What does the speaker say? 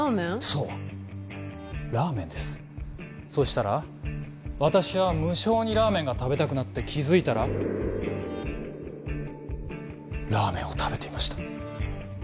そうラーメンですそしたら私は無性にラーメンが食べたくなって気づいたらラーメンを食べていました